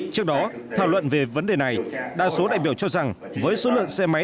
trước đó thảo luận về vấn đề này đa số đại biểu cho rằng với số lượng xe máy